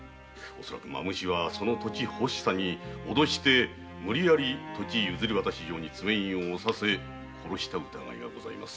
蝮はその土地欲しさに脅して無理やり土地譲り渡し状に爪印をおさせ殺した疑いがございます。